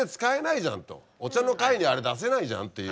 お茶の会にあれ出せないじゃんっていう。